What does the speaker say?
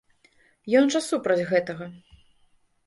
Ён жа супраць гэтага.